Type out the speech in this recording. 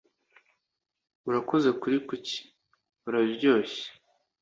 Urakoze kuri kuki. Bararyoshye.